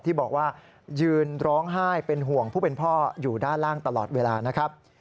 ที่บอกว่ายืนร้องไห้เป็นห่วงผู้เป็นพ่ออยู่ด้านล่างตลอดเวลานะครับ